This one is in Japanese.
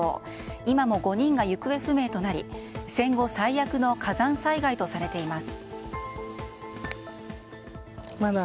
今も５人が行方不明となり戦後最悪の火山災害とされています。